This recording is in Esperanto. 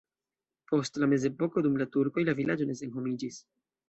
Post la mezepoko dum la turkoj la vilaĝo ne senhomiĝis.